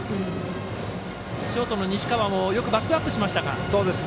ショートの西川もよくバックアップしました。